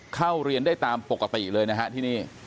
เข้าเรียนได้ตามปกติเลยนะฮะที่นี่